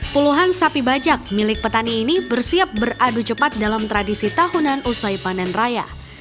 puluhan sapi bajak milik petani ini bersiap beradu cepat dalam tradisi tahunan usai panen raya